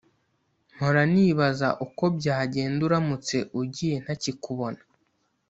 mpora nibaza uko byagenda uramutse ugiye ntakikubona